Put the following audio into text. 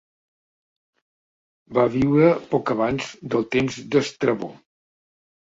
Va viure poc abans del temps d'Estrabó.